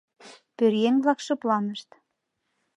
Пӧръеҥ-влак шыпланышт.